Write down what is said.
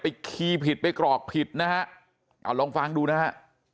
คีย์ผิดไปกรอกผิดนะฮะเอาลองฟังดูนะฮะ